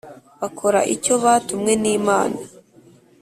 bakora icyo batumwe n’Imana